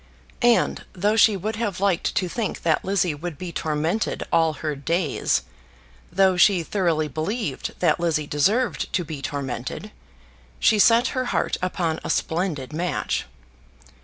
And, though she would have liked to think that Lizzie would be tormented all her days, though she thoroughly believed that Lizzie deserved to be tormented, she set her heart upon a splendid match.